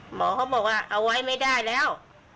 หมอเขาบอกว่าเอาไว้ไม่ได้แล้ว